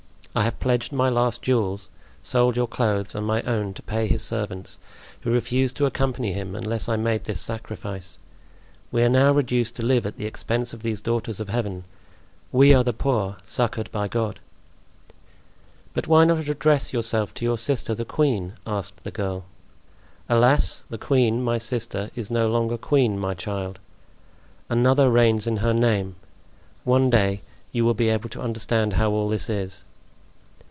I have pledged my last jewels, sold your clothes and my own to pay his servants, who refused to accompany him unless I made this sacrifice. We are now reduced to live at the expense of these daughters of Heaven; we are the poor, succored by God." "But why not address yourself to your sister, the queen?" asked the girl. "Alas! the queen, my sister, is no longer queen, my child. Another reigns in her name. One day you will be able to understand how all this is."